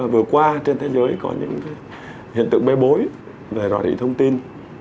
vừa qua trên thế giới có những hiện tượng bê bối về rò rỉ thông tin